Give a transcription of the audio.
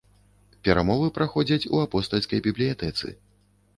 Перамовы праходзяць у апостальскай бібліятэцы.